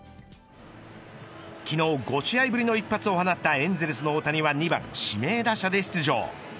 昨日、５試合ぶりの一発を放ったエンゼルスの大谷は２番指名打者で出場。